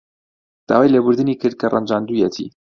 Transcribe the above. داوای لێبوردنی کرد کە ڕەنجاندوویەتی.